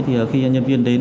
thì khi nhân viên đến